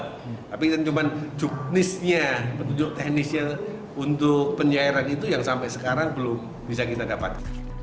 tapi cuma juknisnya petunjuk teknisnya untuk pencairan itu yang sampai sekarang belum bisa kita dapat